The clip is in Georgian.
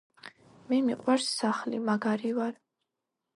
მე მიყვარს სახლი მაგარი ვარ